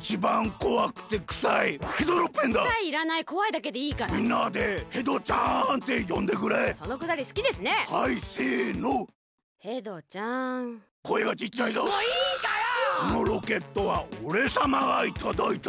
このロケットはおれさまがいただいたぜ！